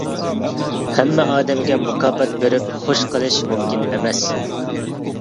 ھەممە ئادەمگە مۇكاپات بېرىپ خوش قىلىش مۇمكىن ئەمەس.